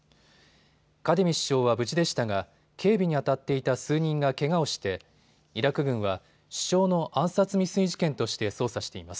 カディミ首相は無事でしたが警備にあたっていた数人がけがをしてイラク軍は首相の暗殺未遂事件として捜査しています。